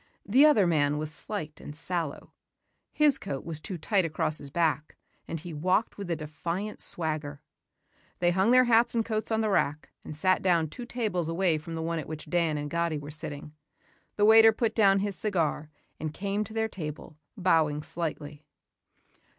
The other man was slight and sallow. His coat was too tight across his back and he walked with a defiant swagger. They hung their hats and coats on the rack and sat down two tables away from the one at which Dan and Gatti were sitting. The waiter put down his cigar and came to their table, bowing slightly.